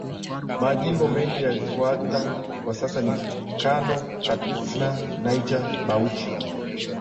majimbo mengine yalifuata Kwa sasa ni Kano Katsina Niger Bauchi